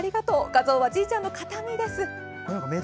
画像はじいちゃんの肩身です。